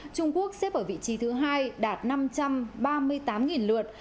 trung quốc xếp ở vị trí thứ hai đạt năm trăm ba mươi tám lượt